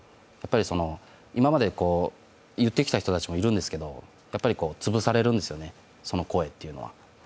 今まで言ってきた人たちもいるんですけど、潰されるんですよね、その声というのは。